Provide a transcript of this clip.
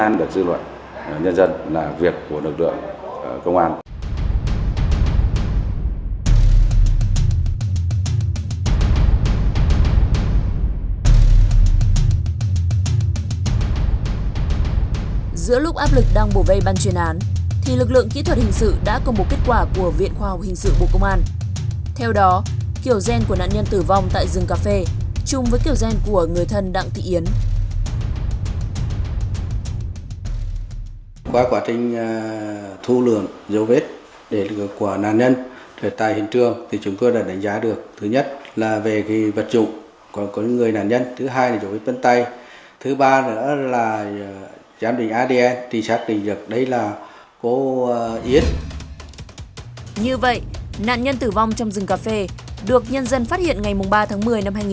như vậy nạn nhân tử vong trong rừng cà phê được nhân dân phát hiện ngày ba tháng một mươi năm hai nghìn một mươi năm